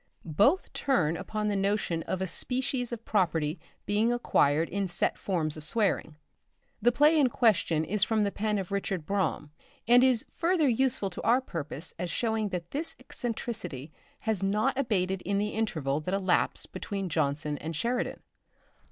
Both turn upon the notion of a species of property being acquired in set forms of swearing. The play in question is from the pen of Richard Brome, and is further useful to our purpose as showing that this eccentricity had not abated in the interval that elapsed between Jonson and Sheridan.